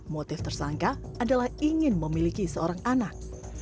motif tersangka adalah ingin memiliki seorang anak